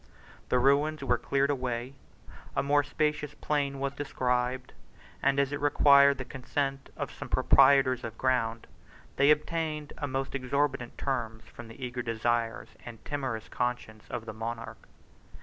103 The ruins were cleared away, a more spacious plan was described, and as it required the consent of some proprietors of ground, they obtained the most exorbitant terms from the eager desires and timorous conscience of the monarch.